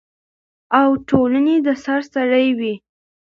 او ټولنې د سر سړی وي،